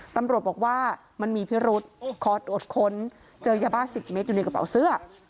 ตำรวจบอกว่ามันมีพิรุษขอตรวจค้นเจอยาบ้า๑๐เมตรอยู่ในกระเป๋าเสื้อ